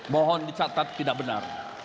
mohon dicatat tidak benar